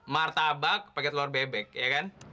mertabak pake telur bebek ya kan